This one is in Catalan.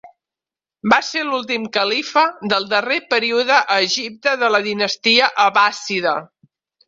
Va ser l'últim califa del darrer període a Egipte de la dinastia Abbàssida.